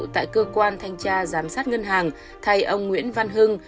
tại cơ quan thanh tra giám sát ngân hàng thay ông nguyễn văn hưng